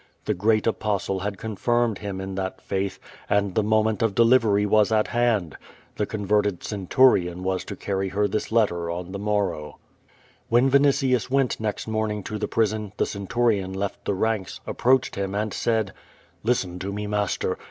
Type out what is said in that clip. The great Apostle had confirmed him in that faith, and the moment of delivery was at hand. The converted centurion was to carry her this letter on the mon'ow. 398 Q^^ VADI8. WTion Vinitius went next morning to the prison, the cen turion left the ranks, approaclied him, and said: ^'Listen to me, master!